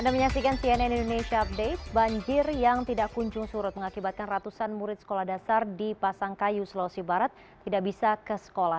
anda menyaksikan cnn indonesia update banjir yang tidak kunjung surut mengakibatkan ratusan murid sekolah dasar di pasangkayu sulawesi barat tidak bisa ke sekolah